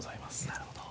なるほど。